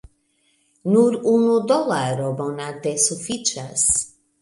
Nur unu dolaro monate sufiĉas